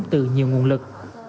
từ nhiều nguồn lực